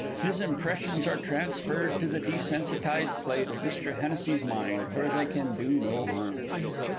His impressions are transferred to the desensitized plate of Mr. Hennessy's mind, where they can do no harm.